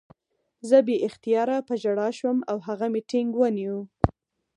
زه بې اختیاره په ژړا شوم او هغه مې ټینګ ونیو